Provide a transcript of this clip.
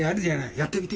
やってみて。